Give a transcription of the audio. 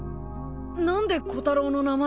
何でコタロウの名前が？